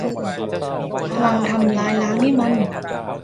พลังทำลายล้างนี่มัน